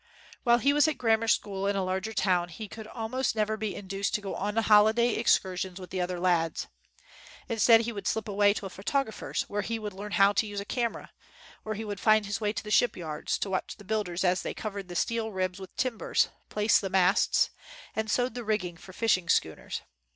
While he was at grammar school in a larger town, he could almost never be in duced to go on holiday excursions with the other lads. Instead, he would slip away to a photographer's where he would learn how to use a camera, or he would find his way to the shipyards to watch the builders as they covered the steel ribs with timbers, placed the masts, and sewed the rigging for fishing schooners.